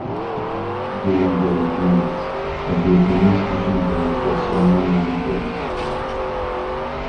During the event, a Vietnamese fishing boat was ceremonially burned.